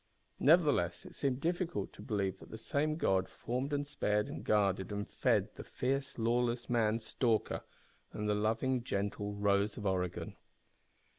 Nevertheless, it seemed difficult to believe that the same God formed and spared and guarded and fed the fierce, lawless man Stalker, and the loving, gentle delicate Rose of Oregon.